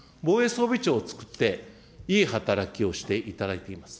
防衛装備庁をつくって、いい働きをしていただきます。